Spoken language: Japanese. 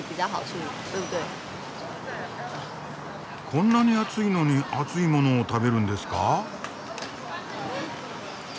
こんなに暑いのに熱いものを食べるんですか？